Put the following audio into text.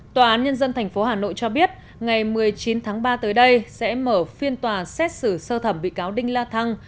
tòa án nhân dân tp hà nội cho biết ngày một mươi chín tháng ba tới đây sẽ mở phiên tòa xét xử sơ thẩm bị cáo đinh la thăng